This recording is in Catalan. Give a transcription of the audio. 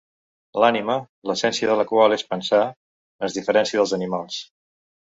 L'ànima, l'essència de la qual és pensar, ens diferencia dels animals.